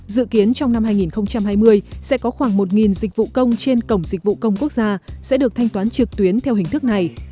dự kiến trong năm hai nghìn hai mươi sẽ có khoảng một dịch vụ công trên cổng dịch vụ công quốc gia sẽ được thanh toán trực tuyến theo hình thức này